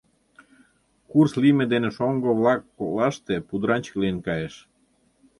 Курс лийме дене шоҥго-влак коклаште пудыранчык лийын кайыш.